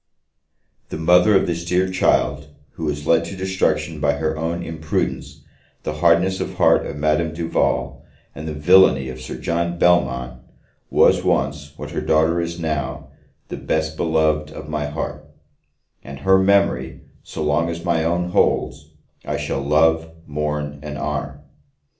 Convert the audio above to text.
The mother of this dear child, who was led to destruction by her own imprudence, the hardness of heart of Madame Duval, and the villany of Sir John Belmont, was once, what her daughter is now, the best beloved of my heart: and her memory, so long as my own holds, I shall love, mourn and honour!